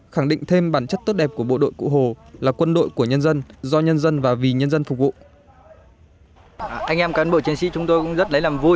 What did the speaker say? khẳng định thêm bản chất tốt đẹp của bộ đội cụ hồ là quân đội của nhân dân do nhân dân và vì nhân dân phục vụ